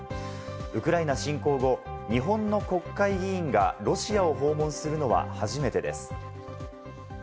ウクライナ侵攻後、日本の国会議員がロシアを訪問するのは初めてです。